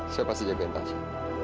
saya pasti jagain tasya